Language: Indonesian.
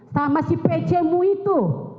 sama si pcmu itu